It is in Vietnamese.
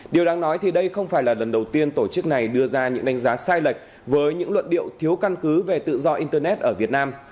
điều đáng nói thì đây không phải là lần đầu tiên tổ chức này đưa ra những đánh giá sai lệch với những luận điệu thiếu căn cứ về tự do internet ở việt nam